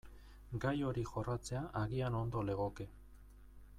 Gai hori jorratzea agian ondo legoke.